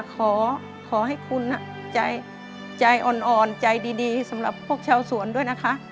ขอให้คุณใจอ่อนใจดีสำหรับพวกชาวสวนด้วยนะคะ